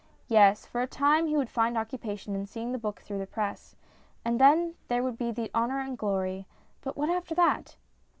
Yes, for a time he would find occupation in seeing the book through the press ; and then there would be the honour and glory ; but what after that